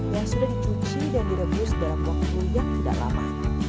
yang sudah dicuci dan direbus dalam waktu yang tidak lama